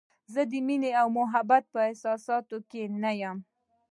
زه د مینې او محبت په احساساتو کې نه یم.